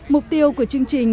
mục tiêu của chương trình